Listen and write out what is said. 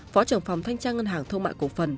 phó trưởng phòng thanh tra ngân hàng thương mại cổ phần